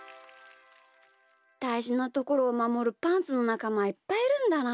だいじなところをまもるパンツのなかまはいっぱいいるんだな。